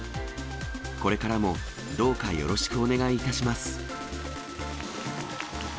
これからもどうかよろしくお願いいたします。